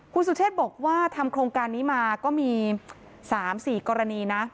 คุณสุเชษบอกว่าทำโครงการนี้มาก็มี๓๔กรณีนะ